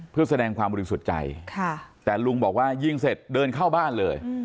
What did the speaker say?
เพื่อแสดงความบริสุทธิ์ใจแต่ลุงบอกว่ายิงเสร็จเดินเข้าบ้านเลย